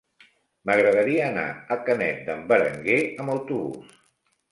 M'agradaria anar a Canet d'en Berenguer amb autobús.